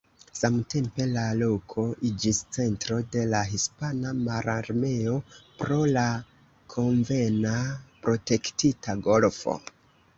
Samtempe la loko iĝis centro de la hispana mararmeo pro la konvena protektita golfo.